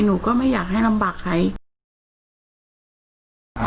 หนูก็ไม่อยากให้ลำบากใคร